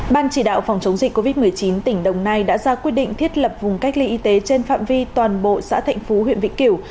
ban chỉ đạo phòng chống dịch covid một mươi chín tỉnh đồng nai đã ra quyết định thiết lập vùng cách ly y tế trên phạm vi toàn bộ xã thạnh phú huyện vĩnh kiểu